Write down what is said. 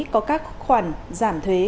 có các khoản giảm thuế